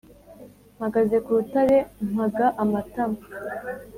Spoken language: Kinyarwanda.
“mpagaze ku rutare mpaga amatama